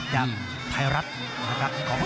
จากไทรัทขอบคุณนะครับ